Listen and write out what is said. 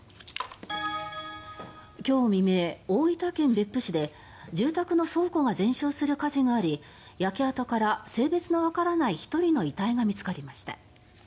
今日未明、大分県別府市で住宅の倉庫が全焼する火事があり焼け跡から性別のわからない１人の遺体が見つかりました。